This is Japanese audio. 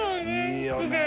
いいよね。